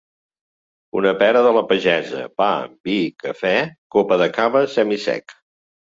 Una pera de la pagesa, pa, vi, cafè, copa de cava semi-sec.